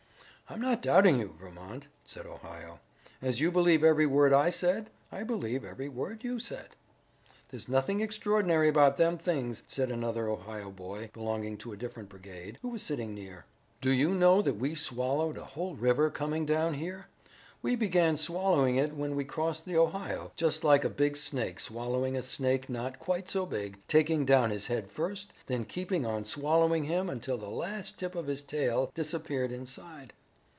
"I'm not doubting you, Vermont," said Ohio. "As you believe every word I said, I believe every word you said." "There's nothing extraordinary about them things," said another Ohio boy belonging to a different brigade, who was sitting near. "Do you know that we swallowed a whole river coming down here? We began swallowing it when we crossed the Ohio, just like a big snake swallowing a snake not quite so big, taking down his head first, then keeping on swallowing him until the last tip of his tail disappeared inside.